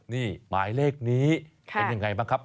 นี่หมายเลขนี้เป็นยังไงบ้างครับ